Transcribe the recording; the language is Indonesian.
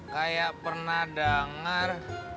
kayak pernah dengar